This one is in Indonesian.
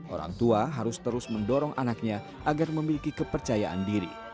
orang tua harus terus mendorong anaknya agar memiliki kepercayaan diri